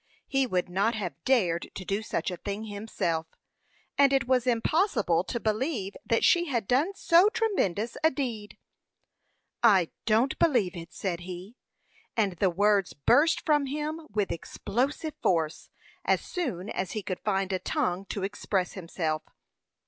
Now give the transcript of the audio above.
He would not have dared to do such a thing himself, and it was impossible to believe that she had done so tremendous a deed. "I don't believe it," said he; and the words burst from him with explosive force, as soon as he could find a tongue to express himself.